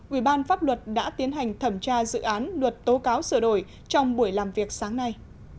ủy ban pháp luật đã tiến hành thẩm tra dự án luật tố cáo sửa đổi trong buổi làm việc sáng nay